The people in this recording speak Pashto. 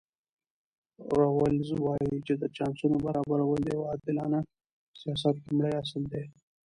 راولز وایي چې د چانسونو برابرول د یو عادلانه سیاست لومړی اصل دی.